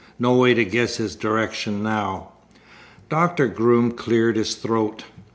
No way to guess his direction now." Doctor Groom cleared his throat.